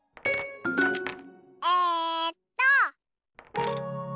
えっと。